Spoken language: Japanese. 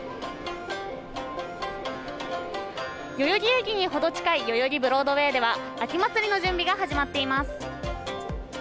代々木駅に程近い代々木ブロードウェイでは、秋祭りの準備が始まっています。